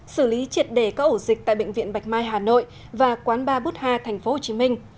xử lý triệt đề các ổ dịch tại bệnh viện bạch mai hà nội và quán ba bút ha thành phố hồ chí minh